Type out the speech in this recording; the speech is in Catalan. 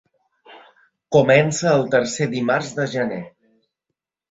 Comença el tercer dimarts de gener.